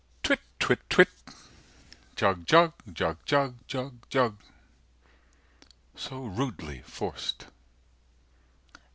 Twit twit twit Jug jug jug jug jug jug So rudely forc'd.